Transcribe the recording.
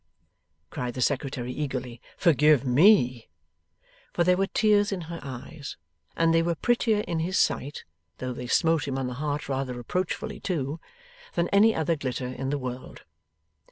cried the Secretary, eagerly. 'Forgive ME!' For there were tears in her eyes, and they were prettier in his sight (though they smote him on the heart rather reproachfully too) than any other glitter in the world.